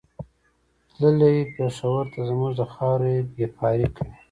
تللی پېښور ته زموږ د خاورې بېپاري کوي